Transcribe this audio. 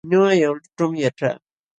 Ñuqa Yawlićhuumi yaćhaa.